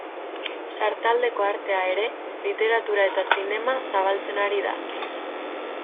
Sartaldeko artea ere, literatura eta zinema, zabaltzen ari da.